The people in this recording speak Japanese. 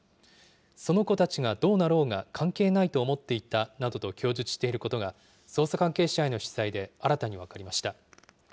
その子たちがどうなろうが関係ないと思っていたなどと供述していることが、捜査関係者への取材で新たに分かりました。